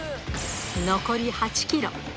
残り８キロ。